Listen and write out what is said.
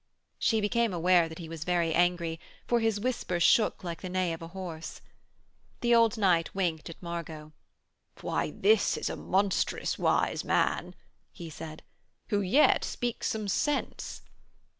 She became aware that he was very angry, for his whisper shook like the neigh of a horse. The old knight winked at Margot. 'Why this is a monstrous wise man,' he said, 'who yet speaks some sense.'